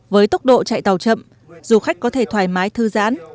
với tốc độ chạy tàu chậm du khách có thể thoải mái thư giãn